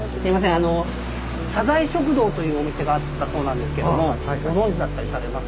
あのサザエ食堂というお店があったそうなんですけどもご存じだったりされますか？